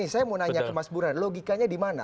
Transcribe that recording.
ini saya mau nanya ke mas buran logikanya dimana